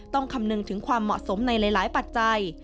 คำนึงถึงความเหมาะสมในหลายปัจจัย